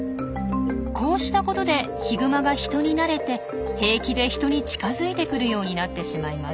こうしたことでヒグマが人に慣れて平気で人に近づいてくるようになってしまいます。